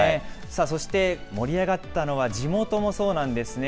さあ、そして盛り上がったのは、地元もそうなんですね。